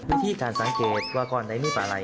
วิธีการสังเกตว่าก่อนได้มีปลาไหล่